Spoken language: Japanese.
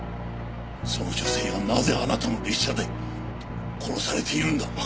その女性がなぜあなたの列車で殺されているんだ！？